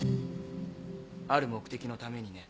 ある目的のためにね。